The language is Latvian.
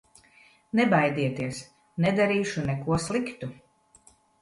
Nebaidieties, nedarīšu neko sliktu!